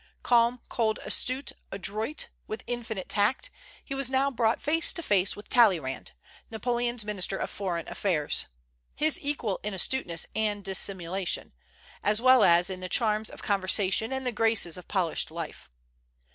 Calm, cold, astute, adroit, with infinite tact, he was now brought face to face with Talleyrand, Napoleon's minister of foreign affairs, his equal in astuteness and dissimulation, as well as in the charms of conversation and the graces of polished life.